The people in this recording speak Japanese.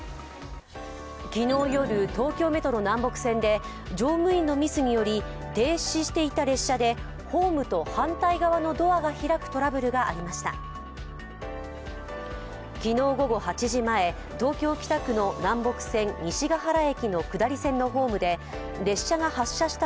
昨日夜、東京メトロ・南北線で乗務員のミスにより停止していた列車でホームと反対側のドアが開くトラブルがありました。